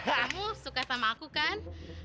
kamu suka sama aku kan